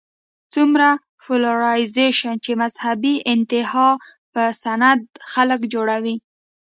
څومره پولرايزېشن چې مذهبي انتها پسند خلک جوړوي